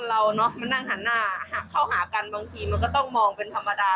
เราเนอะมันนั่งหันหน้าหักเข้าหากันบางทีมันก็ต้องมองเป็นธรรมดา